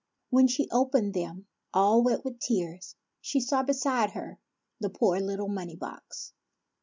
When she opened them, all wet with tears, she saw beside her the poor little money box.